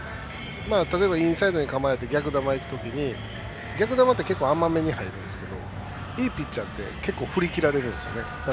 例えば、インサイドに構えて逆球いく時に、逆球って結構甘めに入るんですけどいいピッチャーって振り切られるんですよね。